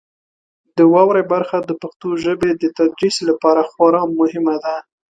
د واورئ برخه د پښتو ژبې د تدریس لپاره خورا مهمه ده.